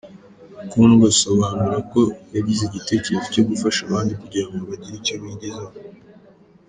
Mukundwa asobanura uko yagize igitekerezo cyo gufasha abandi kugira ngo bagire icyo bigezaho.